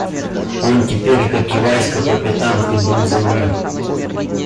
Он теперь, как и Васька, по пятам ходил за ней.